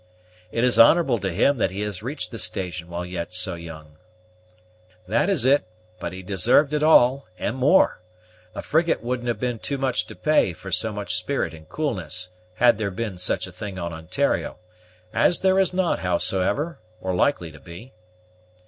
"It is honorable to him that he has reached this station while yet so young." "That is it; but he deserved it all, and more. A frigate wouldn't have been too much to pay for so much spirit and coolness, had there been such a thing on Ontario, as there is not, hows'ever, or likely to be."